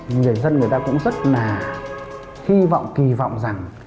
người dân người ta cũng rất là hy vọng kỳ vọng rằng